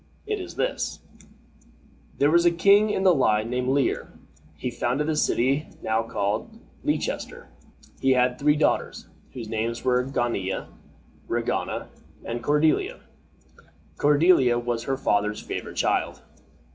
It is this: There was a king in the line named Lear. He founded the city now called Leicester. He had three daughters, whose names were Gonilla, Regana, and Cordiella. Cordiella was her father's favorite child.